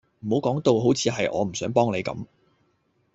唔好講到好似係我唔想幫你咁